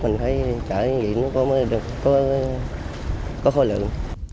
mình thấy chở cái gì nó mới có khối lượng